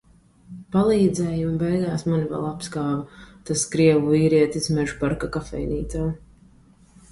Palīdzēja un beigās mani vēl apskāva. Tas krievu vīrietis Mežaparka kafejnīcā.